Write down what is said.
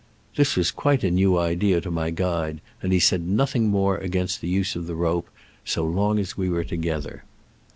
This was quite a new idea to my guide, and he said nothing more against the use of the rope so long as we were together.